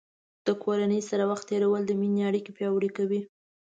د کورنۍ سره وخت تیرول د مینې اړیکې پیاوړې کوي.